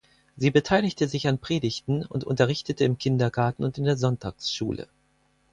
Sie beteiligte sich an Predigten und unterrichtete im Kindergarten und in der Sonntagsschule.